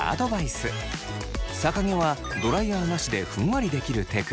逆毛はドライヤーなしでふんわりできるテク。